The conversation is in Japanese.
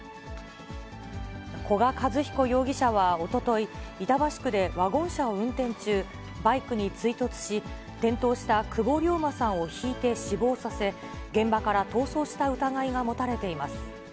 古賀和彦容疑者はおととい、板橋区でワゴン車を運転中、バイクに追突し、転倒した久保龍馬さんをひいて死亡させ、現場から逃走した疑いが持たれています。